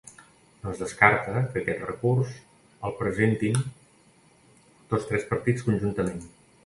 No es descarta que aquest recurs el presentin tots tres partits conjuntament.